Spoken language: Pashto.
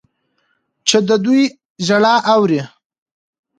چې د دوی ژړا اوري.